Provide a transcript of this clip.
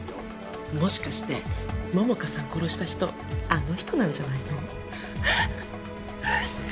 もしかして桃花さんを殺した人あの人なんじゃないの？えっ！？嘘！？